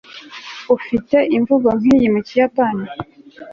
ufite imvugo nkiyi mu kiyapani